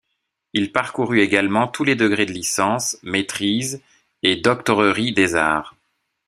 Il parcourut également tous les degrés de licence, maîtrise et doctorerie des arts.